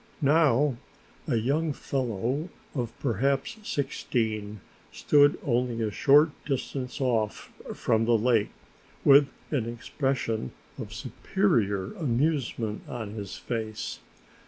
Now a young fellow of perhaps sixteen stood only a short distance off from the lake with an expression of superior amusement on his face.